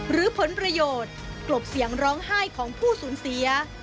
หรือผลประโยชน์กลบเสียงร้องไห้ของผู้สูญเสีย